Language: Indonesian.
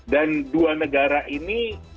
dan dua negara ini